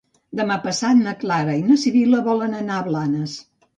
Demà passat na Clara i na Sibil·la volen anar a Blanes.